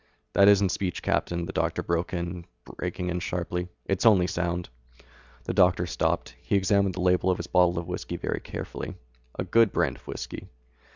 "That isn't speech, Captain," the doctor broke in, breaking in sharply, "It's only sound." The doctor stopped; he examined the label of his bottle of whiskey very carefully. A good brand of whiskey.